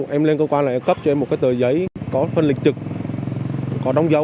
em lên cơ quan là cấp cho em một cái tờ giấy có phân lịch trực có đông dấu